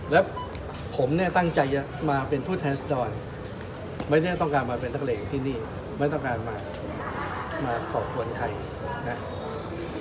และผมตั้งใจมาเป็นผู้ทัศน์ดอนไม่ได้ต้องการมาเป็นนักเลงที่นี่ไม่ต้องการมาขอบควรใคร